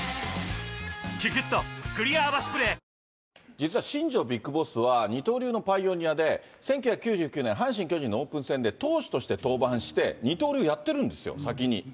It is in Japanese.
実は新庄ビッグボスは、二刀流のパイオニアで、１９９９年、阪神・巨人のオープン戦で、投手として登板して、二刀流やってるんですよ、先に。